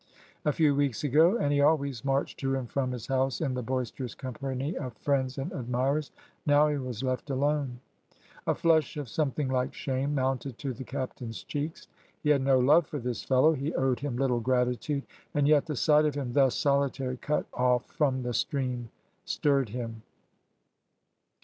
A few weeks ago, and he always marched to and from his house in the boisterous company of friends and admirers. Now he was left alone. A flush of something like shame mounted to the captain's cheeks. He had no love for this fellow. He owed him little gratitude. And yet the sight of him thus solitary, cut off from the stream, stirred him.